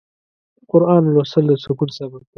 د قرآن لوستل د سکون سبب دی.